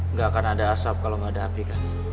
nggak akan ada asap kalau nggak ada api kan